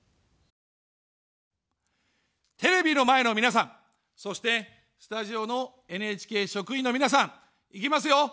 テレビの前の皆さん、そしてスタジオのＮＨＫ職員の皆さん、いきますよ。